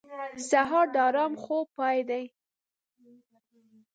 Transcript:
سهار د ارام خوب پای دی.